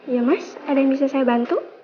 ya mas ada yang bisa saya bantu